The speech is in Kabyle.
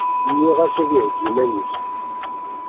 Nniɣ-as ad iheggi iman-is.